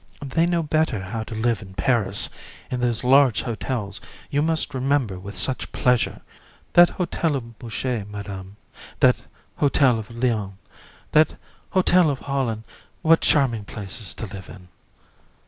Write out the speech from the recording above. JU. They know better how to live in Paris, in those large hotels you must remember with such pleasure! That Hotel of Mouchy, Madam; that Hotel of Lyons, that Hotel of Holland, what charming places to live in! COUN.